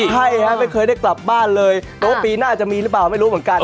ใช่ครับไม่เคยได้กลับบ้านเลยโต๊ะปีหน้าจะมีหรือเปล่าไม่รู้เหมือนกัน